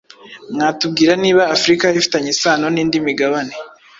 mwatubwira niba africa ifitanye isano nindi migabane